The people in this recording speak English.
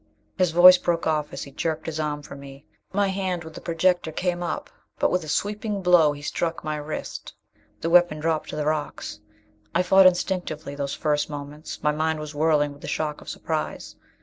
His voice broke off as he jerked his arm from me. My hand with the projector came up, but with a sweeping blow he struck my wrist. The weapon dropped to the rocks. I fought instinctively, those first moments; my mind was whirling with the shock of surprise.